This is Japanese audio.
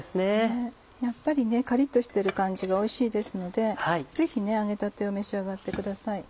やっぱりカリっとしてる感じがおいしいですのでぜひ揚げたてを召し上がってください。